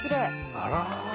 あら。